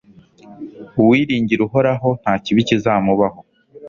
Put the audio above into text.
uwiringira uhoraho, nta kibi kizamubaho